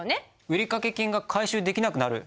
売掛金が回収できなくなる？